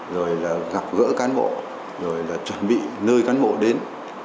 rồi là gặp gỡ cán bộ rồi là chuẩn bị nơi cán bộ đến